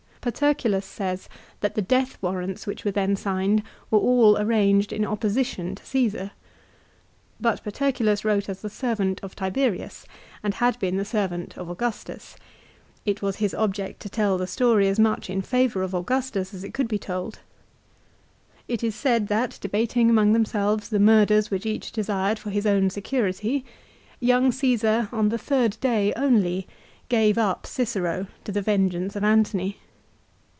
Paterculus says that the death warrants which were then signed were all arranged in opposition to Caesar. 1 But Paterculus wrote as the servant of Tiberius, and had been the servant of Augustus. It was his object to tell the story as much in favour of Augustus as it could be told. It is said that, debating among themselves the murders which each desired for his own security, young Caesar, on the third day only, gave up Cicero to the vengeance of Antony.